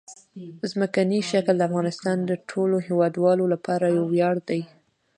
ځمکنی شکل د افغانستان د ټولو هیوادوالو لپاره یو ویاړ دی.